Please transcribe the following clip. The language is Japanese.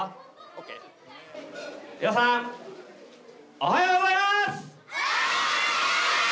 おはようございます！！